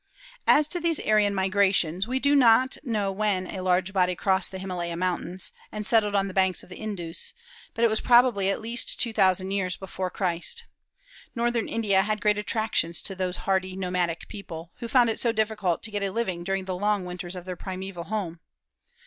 ] As to these Aryan migrations, we do not know when a large body crossed the Himalaya Mountains, and settled on the banks of the Indus, but probably it was at least two thousand years before Christ. Northern India had great attractions to those hardy nomadic people, who found it so difficult to get a living during the long winters of their primeval home.